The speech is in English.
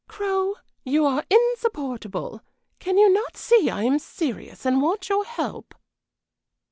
"Crow, you are insupportable! Can you not see I am serious and want your help?"